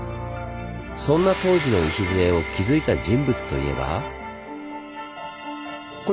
そんな東寺の礎を築いた人物といえば？